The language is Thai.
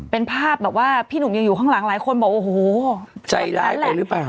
เป็นภาพแบบว่าพี่หนุ่มยังอยู่ข้างหลังหลายคนบอกโอ้โหใจร้ายไปหรือเปล่า